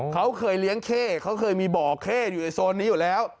เขาเคยเลี้ยงเข้เขาเคยมีบ่อเข้อยู่ในโซนนี้อยู่แล้ว